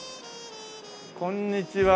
こんにちは。